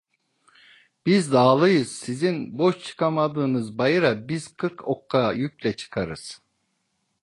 Biz dağlıyız, sizin boş çıkamadığınız bayıra biz kırk okka yükle çıkarız!